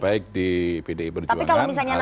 baik di pdi perjuangan atau di pak prabowo